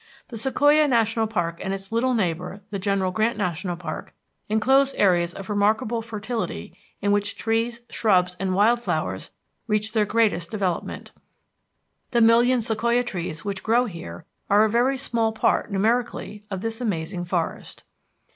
The Sequoia National Park and its little neighbor, the General Grant National Park, enclose areas of remarkable fertility in which trees, shrubs, and wild flowers reach their greatest development. The million sequoia trees which grow here are a very small part, numerically, of this amazing forest.